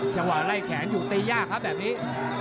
จังหวะไล่แขนอยู่ตียากครับแบบนี้